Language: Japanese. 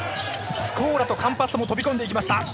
スコーラとカンパッソも飛び込んでいきました。